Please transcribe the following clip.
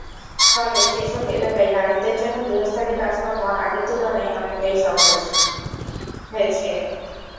ফলে সেসব এলাকায় নারীদের জন্য গৃহস্থালি কাজকর্ম আগের তুলনায় অনেকটাই সহজ হয়েছে।